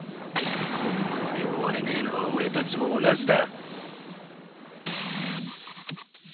このままで終われねえのは俺たちも同じだ！